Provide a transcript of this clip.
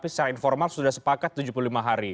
tapi secara informal sudah sepakat tujuh puluh lima hari